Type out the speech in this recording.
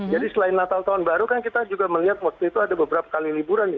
jadi selain natal tahun baru kan kita juga melihat waktu itu ada beberapa kali liburan